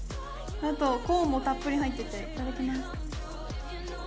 あとコーンもたっぷり入ってて、いただきます。